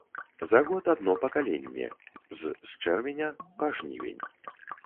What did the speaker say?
За год адно пакаленне з з чэрвеня па жнівень.